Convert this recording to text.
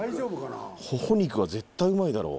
ホホ肉は絶対うまいだろ。